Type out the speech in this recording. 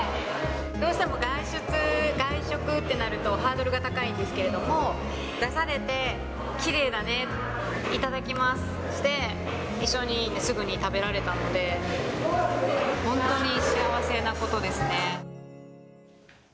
どうしても外出、外食ってなるとハードルが高いんですけれども、出されて、きれいだね、いただきますして、一緒にすぐに食べられたので、本当に幸せなことですね。